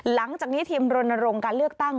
หลังจากนี้ทีมรณรงค์การเลือกตั้ง